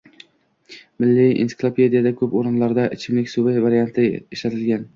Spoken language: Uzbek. Milliy ensiklopediyada koʻp oʻrinlarda ichimlik suv varianti ishlatilgan